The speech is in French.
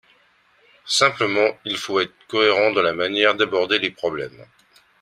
Simplement, il faut être cohérent dans la manière d’aborder les problèmes.